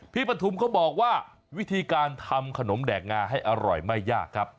ปฐุมเขาบอกว่าวิธีการทำขนมแดกงาให้อร่อยไม่ยากครับ